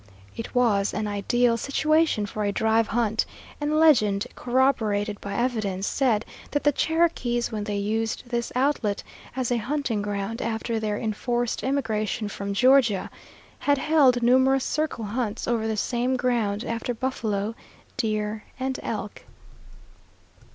It was an ideal situation for a drive hunt, and legend, corroborated by evidences, said that the Cherokees, when they used this outlet as a hunting ground after their enforced emigration from Georgia, had held numerous circle hunts over the same ground after buffalo, deer, and elk.